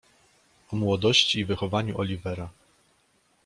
"O młodości i wychowaniu Oliwera."